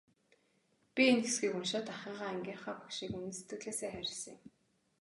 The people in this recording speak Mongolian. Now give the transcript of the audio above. Би энэ хэсгийг уншаад ахыгаа, ангийнхаа багшийг үнэн сэтгэлээсээ хайрласан юм.